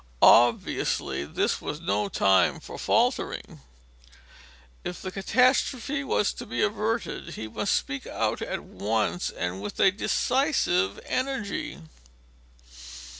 Obviously, this was no time for faltering. If the catastrophe was to be averted, he must speak out at once and with a decisive energy.